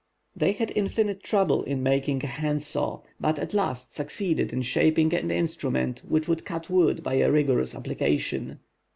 They had infinite trouble in making a hand saw; but at last succeeded in shaping an instrument which would cut wood by a rigorous application.